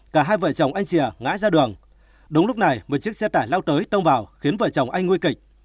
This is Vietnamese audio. cả hai vợ chồng anh rìa ngã ra đường đúng lúc này một chiếc xe tải lao tới tông vào khiến vợ chồng anh nguy kịch